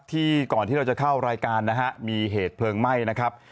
ก่อนที่เราจะเข้ารายการนะฮะมีเหตุเพลิงไหม้นะครับ